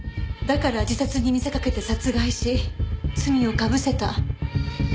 だから自殺に見せかけて殺害し罪をかぶせた。